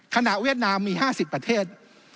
เวียดนามมี๕๐ประเทศ